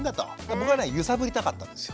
僕はね揺さぶりたかったんですよ。